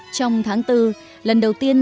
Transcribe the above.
trong tháng bốn lần đầu tiên